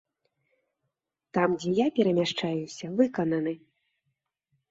Там, дзе я перамяшчаюся, выкананы.